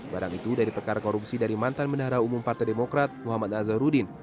barang itu dari perkara korupsi dari mantan bendahara umum partai demokrat muhammad nazarudin